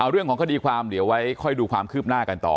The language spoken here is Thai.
เรื่องของคดีความเดี๋ยวไว้ค่อยดูความคืบหน้ากันต่อ